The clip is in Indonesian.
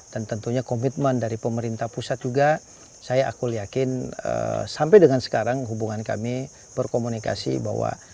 dan tentunya komitmen dari pemerintah pusat juga saya aku yakin sampai dengan sekarang hubungan kami berkomunikasi bahwa